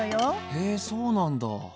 へそうなんだ。